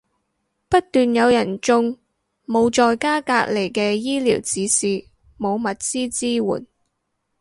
不斷有人中，冇在家隔離嘅醫療指示，冇物資支援